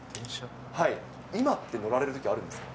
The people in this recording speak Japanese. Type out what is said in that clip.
今って乗られるときあるんですか？